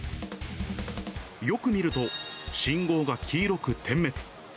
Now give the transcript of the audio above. よく見ると、信号が黄色く点滅。